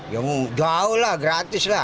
ya jauh lah gratis lah